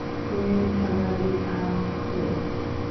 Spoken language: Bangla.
তুমি মিথ্যাবাদী আর চোর।